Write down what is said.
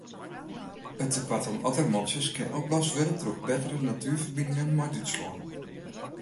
It tekoart oan ottermantsjes kin oplost wurde troch bettere natuerferbiningen mei Dútslân.